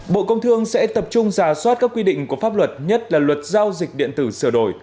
bộ công thương sẽ tập trung giả soát các quy định của pháp luật nhất là luật giao dịch điện tử sửa đổi